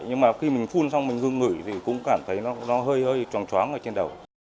nhưng mà khi mình phun xong mình ngưng ngửi thì cũng cảm thấy nó hơi hơi tròng choáng ở trên đầu